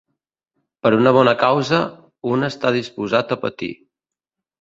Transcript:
Per una bona causa, un està disposat a patir.